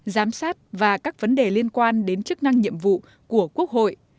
giám sát và các vấn đề liên quan đến chức năng nhiệm vụ của quốc hội